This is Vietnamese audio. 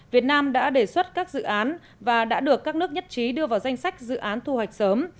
việt nam đã đề xuất các dự án và đã được các nước nhất trí đưa vào danh sách dự án thu hoạch sớm